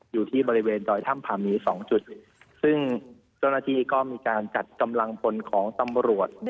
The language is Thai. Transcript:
อยู่ที่บริเวณดอยถ้ำผามี๒จุดซึ่งเจ้าหน้าที่ก็มีการจัดกำลังพลของตำรวจ